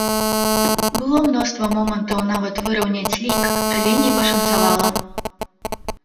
Было мноства момантаў нават выраўняць лік, але не пашанцавала.